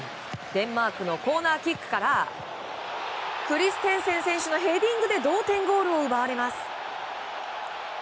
デンマークのコーナーキックからクリステンセン選手のヘディングで同点ゴールを奪われます。